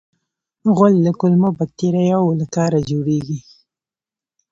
غول د کولمو باکتریاوو له کاره جوړېږي.